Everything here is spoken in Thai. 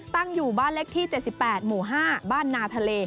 ตั้งอยู่บ้านเล็กที่๗๘หมู่๕บ้านนาทะเล